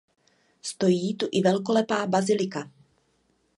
Stojí tu i velkolepá bazilika.